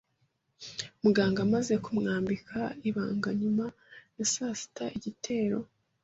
Muganga amaze kumwambika ibanga nyuma ya saa sita igitero,